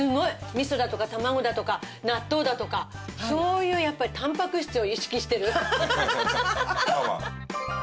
味噌だとか卵だとか納豆だとかそういうやっぱりタンパク質を意識してる。